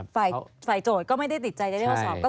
ฝ่ายโจทย์ก็ไม่ได้ติดใจจะเรียกว่าสอบ